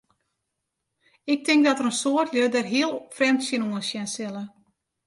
Ik tink dat in soad lju dêr hiel frjemd tsjinoan sjen sille.